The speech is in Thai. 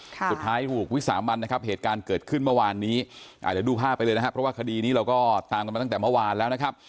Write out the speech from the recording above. สุดท้ายถูกวิสามันนะครับเหตุการณ์เกิดขึ้นเมื่อวานนี้เดี๋ยวดูภาพไปเลยนะครับเพราะว่าคดีนี้เราก็ตามกันมาตั้งแต่เมื่อวานแล้วนะครับ